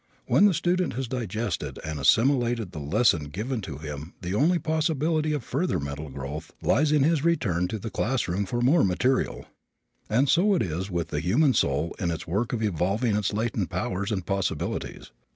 When the student has digested and assimilated the lesson given to him the only possibility of further mental growth lies in his return to the class room for more material. And so it is with the human soul in its work of evolving its latent powers and possibilities.